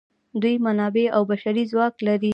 دوی منابع او بشري ځواک لري.